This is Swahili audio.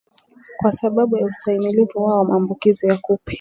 kwasababu ya ustahimilivu wao wa maambukizi ya kupe